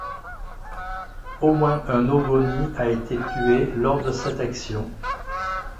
Au moins un Ogoni a été tué lors de cette action.